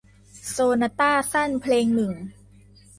โซนาต้าสั้นเพลงหนึ่ง